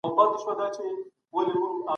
اقتصادي ودي ته جدي پاملرنه وکړئ.